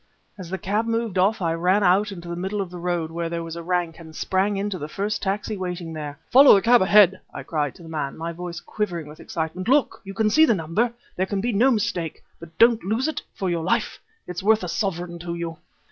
As the cab moved off I ran out into the middle of the road, where there was a rank, and sprang into the first taxi waiting there. "Follow the cab ahead!" I cried to the man, my voice quivering with excitement. "Look! you can see the number! There can be no mistake. But don't lose it for your life! It's worth a sovereign to you!"